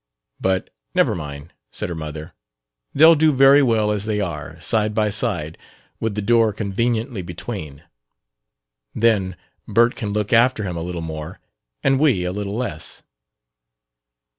But, "Never mind," said her mother; "they'll do very well as they are side by side, with the door conveniently between. Then Bert can look after him a little more and we a little less."